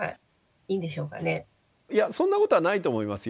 いやそんなことはないと思いますよ。